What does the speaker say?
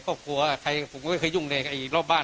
ครอบครัวผมก็ไม่เคยยุ่งในรอบบ้าน